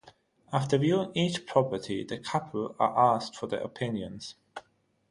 After viewing each property the couple are asked for their opinions.